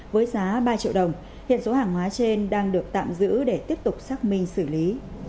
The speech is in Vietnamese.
với giá ba triệu đồng hiện số hàng hóa trên đang được tạm giữ để tiếp tục xác minh xử lý